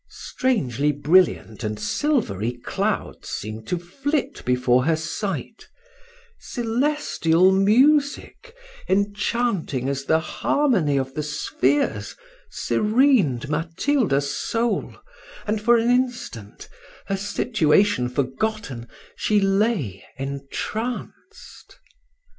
Strangely brilliant and silvery clouds seemed to flit before her sight: celestial music, enchanting as the harmony of the spheres, serened Matilda's soul, and, for an instant, her situation forgotten, she lay entranced.